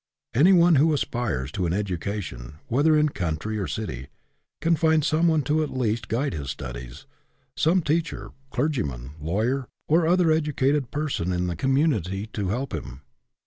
Anyone who aspires to an education, whether in country or city, can find someone to at least guide his studies; some teacher, clergyman, lawyer, or other educated person in the com munity to help him.